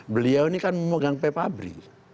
beliau ini kan memegang p pabri